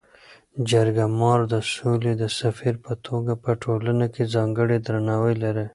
جرګه مار د سولي د سفیر په توګه په ټولنه کي ځانګړی درناوی لري.